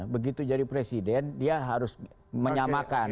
begitu jadi presiden dia harus menyamakan